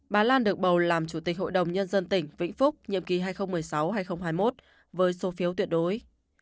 bà lan được bầu làm chủ tịch hội đồng nhân dân tỉnh vĩnh phúc nhiệm kỳ hai nghìn một mươi sáu hai nghìn hai mươi một với số phiếu tuyệt đối